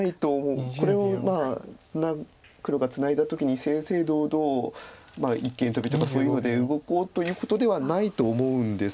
これを黒がツナいだ時に正々堂々一間トビとかそういうので動こうということではないと思うんですけど。